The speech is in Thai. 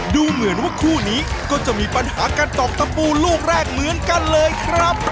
ดูเหมือนว่าคู่นี้ก็จะมีปัญหาการตอกตะปูลูกแรกเหมือนกันเลยครับ